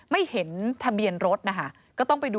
ไม่เห็นทะเบียนรถ